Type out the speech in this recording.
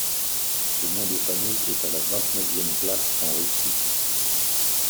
Ce nom de famille est à la vingt-neuvième place en Russie.